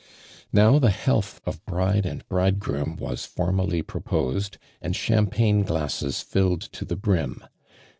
Now the health of bride and bridegroom was formally proposed, and champagne glasses tilled to the brim.